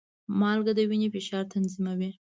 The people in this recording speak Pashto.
مالګه د وینې فشار تنظیموي.